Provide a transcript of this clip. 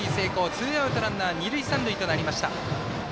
ツーアウト、ランナー二塁三塁となりました。